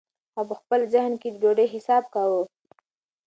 هغه په خپل ذهن کې د ډوډۍ حساب کاوه.